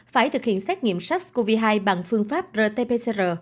phải thực hiện xét nghiệm sars cov hai bằng phương pháp rt pcr